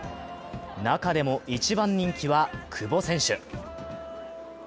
中でも一番人気は久保選手。